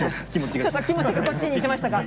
ちょっと気持ちがこっちにいってましたか。